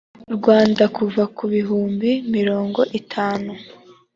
rwanda kuva ku bihumbi mirongo itanu